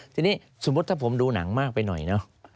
ทีนี้สมมุติถ้าผมดูหนังมากไปหน่อยเนอะ